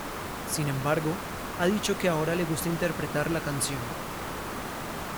Sin embargo, ha dicho que ahora le gusta interpretar la canción.